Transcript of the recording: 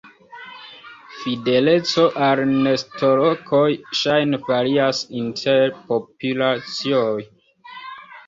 Fideleco al nestolokoj ŝajne varias inter populacioj.